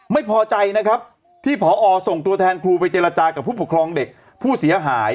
ไม่พอใจนะครับที่ผอส่งตัวแทนครูไปเจรจากับผู้ปกครองเด็กผู้เสียหาย